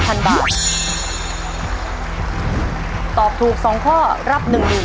ถ้าตอบถูก๒ข้อรับ๑๐๐๐บาท